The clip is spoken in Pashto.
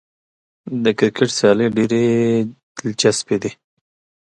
د کرکټ سیالۍ ډېرې دلچسپې دي.